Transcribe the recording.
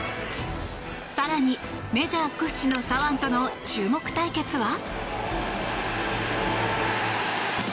更に、メジャー屈指の左腕との注目対決は？